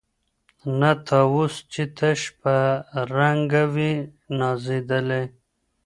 نه طاووس چي تش په رنګ وي نازېدلی